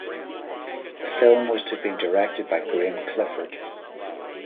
The film was to have been directed by Graeme Clifford.